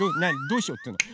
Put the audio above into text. どうしようっていうの？